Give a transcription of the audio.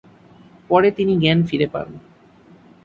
পরে তিনি জ্ঞান ফিরে পান।